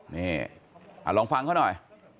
นี่ลองฟังเขาหน่อย